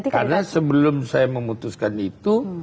karena sebelum saya memutuskan itu